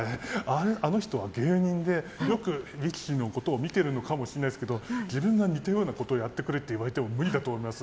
あの人は芸人でよく力士のことを見ているのかもしれないですけど自分が似たようなことをやってくれって言われても無理だと思います。